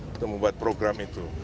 untuk membuat program itu